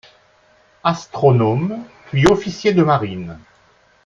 Astronome, puis officier de marine.